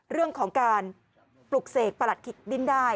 เรื่องของการปลุกเสกประหลัดขิกดิ้นได้